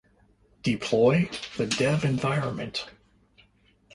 Deploy to dev environment